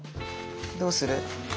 どうする？